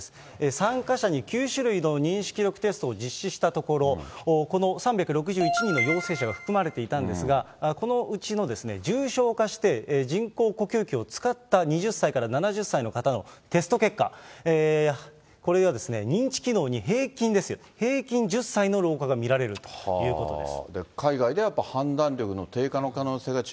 参加者に９種類の認知機能テストを実施したところ、この３６１人の陽性者が含まれていたんですが、このうちの重症化して、人工呼吸器を使った２０歳から７０歳の方のテスト結果、これが認知機能に平均ですよ、平均１０歳の老化が見られるということです。